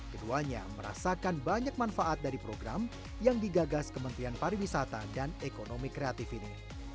keduanya merasakan banyak manfaat dari program yang digagas kementerian pariwisata dan ekonomi kreatif ini